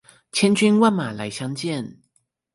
千軍萬馬來相見